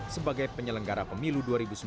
sebagai penyelenggara pemilu dua ribu sembilan belas